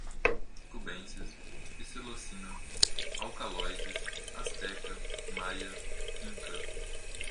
cubensis, psilocina, alcalóides, asteca, maia, inca